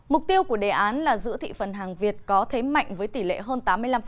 mục tiêu của đề án là giữ thị phần hàng việt có thế mạnh với tỷ lệ hơn tám mươi năm